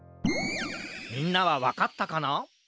みんなはわかったかな？